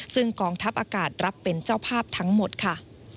ซึ่งกองทัพอากาศรับเป็นเจ้าภาพทั้งหมดค่ะ